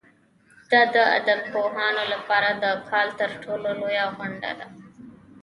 دا د ادبپوهانو لپاره د کال تر ټولو لویه غونډه ده.